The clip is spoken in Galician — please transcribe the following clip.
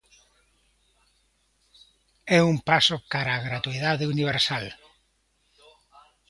É un paso cara a gratuidade universal.